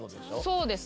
そうです。